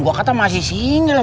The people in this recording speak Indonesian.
gua kata masih single